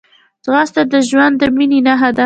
ځغاسته د ژوند د مینې نښه ده